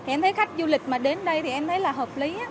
em thấy khách du lịch mà đến đây thì em thấy là hợp lý